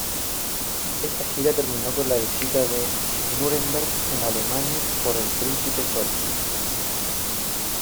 Esta gira terminó con la visita de Nuremberg en Alemania por el príncipe solo.